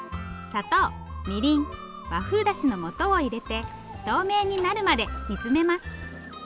砂糖みりん和風だしのもとを入れて透明になるまで煮詰めます。